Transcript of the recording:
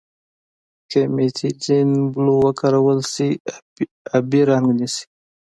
که میتیلین بلو وکارول شي آبي رنګ نیسي.